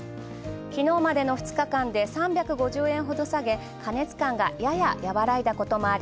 昨日までの２日間で３５０円ほど下げ、過熱感がやや和らいだこともあり